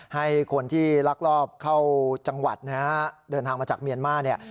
ให้คนที่ลักลอบเข้าจังหวัดนะฮะเดินทางมาจากเมียนมาร์เนี่ย